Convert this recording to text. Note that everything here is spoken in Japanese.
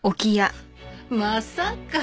まさか。